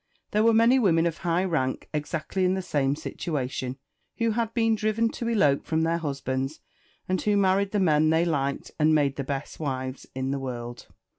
There were many women of high rank exactly in the same situation, who had been driven to elope from their husbands, and who married the men they liked and made the best wives in the world.